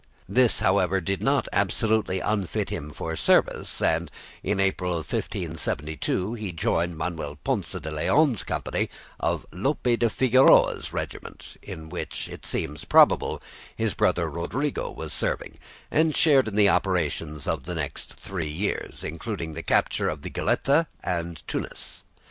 This, however, did not absolutely unfit him for service, and in April 1572 he joined Manuel Ponce de Leon's company of Lope de Figueroa's regiment, in which, it seems probable, his brother Rodrigo was serving, and shared in the operations of the next three years, including the capture of the Goletta and Tunis.